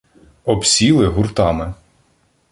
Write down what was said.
обсіли гуртами.